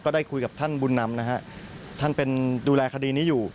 ได้คุยกับท่านบุญนำนะฮะท่านเป็นดูแลคดีนี้อยู่